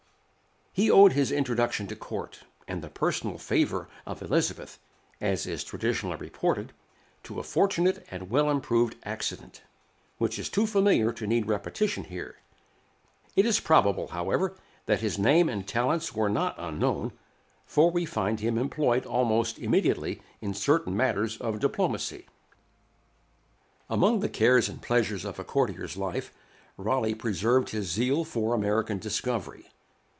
He owed his introduction to court, and the personal favor of Elizabeth, as is traditionally reported, to a fortunate and well improved accident, which is too familiar to need repetition here. It is probable, however, that his name and talents were not unknown, for we find him employed almost immediately in certain matters of diplomacy. [Illustration: Walter Raleigh. [TN]] Among the cares and pleasures of a courtier's life, Raleigh preserved his zeal for American discovery.